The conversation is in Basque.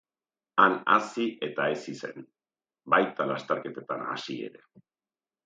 Han hazi eta hezi zen, baita lasterketetan hasi ere.